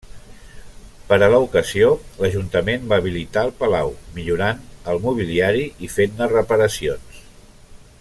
Per a l'ocasió, l'Ajuntament va habilitar el palau, millorant el mobiliari i fent-ne reparacions.